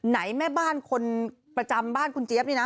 แม่บ้านคนประจำบ้านคุณเจี๊ยบนี่นะ